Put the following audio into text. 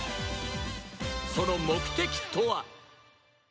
その目的とは？